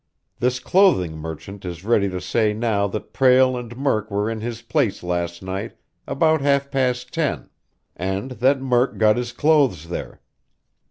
This clothing merchant is ready to say now that Prale and Murk were in his place last night about half past ten, and that Murk got his clothes there.